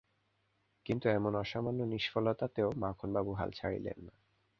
কিন্তু এমন অসামান্য নিষ্ফলতাতেও মাখনবাবু হাল ছাড়িলেন না।